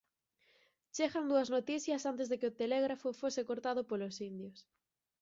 Chegan dúas noticias antes de o telégrafo fose cortado polos indios.